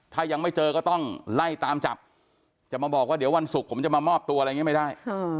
ถ้ายังไม่เจอก็ต้องไล่ตามจับจะมาบอกว่าเดี๋ยววันศุกร์ผมจะมามอบตัวอะไรอย่างนี้ไม่ได้